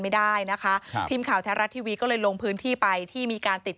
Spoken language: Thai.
ไม่ได้นะคะครับทีมข่าวแท้รัฐทีวีก็เลยลงพื้นที่ไปที่มีการติด